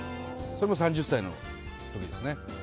それも３０歳の時ですね。